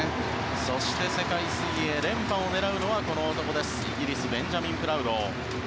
そして世界水泳連覇を狙うのは、この男イギリスベンジャミン・プラウド。